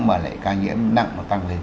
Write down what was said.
mà lại ca nhiễm nặng tăng lên